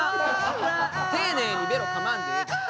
丁寧にベロかまんでええから。